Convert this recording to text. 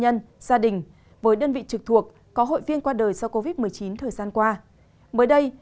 nhân gia đình với đơn vị trực thuộc có hội viên qua đời do covid một mươi chín thời gian qua mới đây